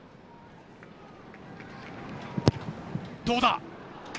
どうだ？